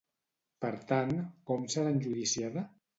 Per tant, com serà enjudiciada?